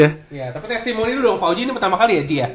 iya tapi testimoni dong fauji ini pertama kali ya dia